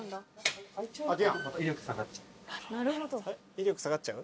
・威力下がっちゃう。